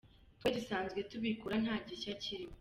Twe dusanzwe tubikora nta gishya kirimo.